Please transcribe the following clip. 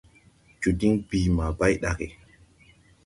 Joo diŋ bìi ma bay ɗage!